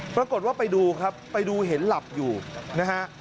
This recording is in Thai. ปรากฏว่าไปดูครับไปดูเห็นหลับอยู่นะฮะ